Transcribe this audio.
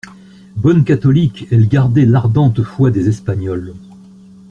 Bonne catholique, elle gardait l'ardente foi des Espagnoles.